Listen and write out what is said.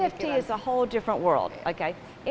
nft adalah dunia yang berbeda